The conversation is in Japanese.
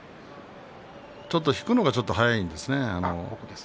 ちょっと引くのが早いんですね。